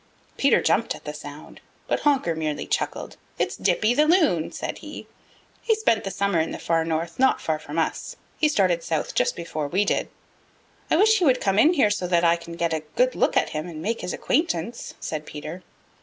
Peter jumped at the sound, but Honker merely chuckled. "It's Dippy the Loon," said he. "He spent the summer in the Far North not far from us. He started south just before we did." "I wish he would come in here so that I can get a good look at him and make his acquaintance," said Peter.